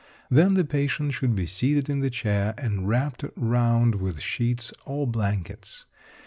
Then the patient should be seated in the chair and wrapped round with sheets or blankets.